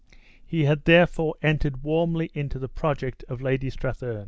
He had therefore entered warmly into the project of Lady Strathearn.